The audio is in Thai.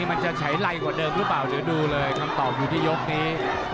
มันจะใช้ไรกว่าเดิมหรือเปล่าเดี๋ยวดูเลยคำตอบอยู่ที่ยกนี้